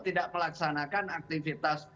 tidak melaksanakan aktivitas